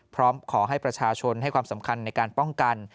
พร้อมขอให้ประชาชนให้ความสำคัญในการป้องกัน